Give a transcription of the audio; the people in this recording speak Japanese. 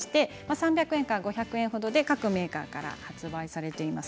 ３００円から５００円くらいで各メーカーから出ています。